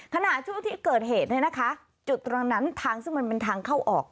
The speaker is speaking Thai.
ขณะช่วงที่เกิดเหตุเนี่ยนะคะจุดตรงนั้นทางซึ่งมันเป็นทางเข้าออก